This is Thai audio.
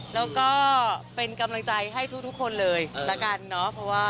แล้วก็เป็นกำลังใจให้ทุกคนเลยละกันเนาะ